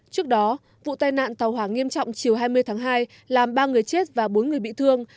trước đó vụ tai nạn tàu hỏa nghiêm trọng chiều hai mươi tháng hai làm ba người chết và bốn người bị thương